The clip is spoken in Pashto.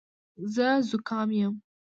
زه زوکام یم